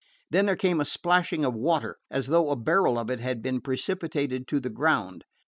Then there came a splashing of water, as though a barrel of it had been precipitated to the ground.